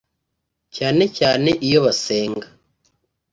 cyane cyane iyo basenga